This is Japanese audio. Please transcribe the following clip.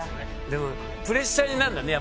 でもプレッシャーになるんだね